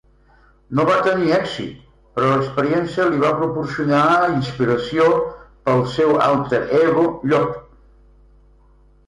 No va tenir èxit, però la experiència li va proporcionar inspiració pel seu alter-ego "Llop".